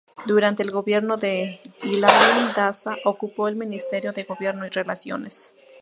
Durante el gobierno de Hilarión Daza ocupó el Ministerio de Gobierno y Relaciones.